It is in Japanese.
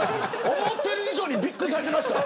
思ってる以上にびっくりされてました。